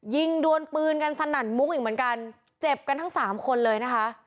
ดวนปืนกันสนั่นมุกอีกเหมือนกันเจ็บกันทั้งสามคนเลยนะคะ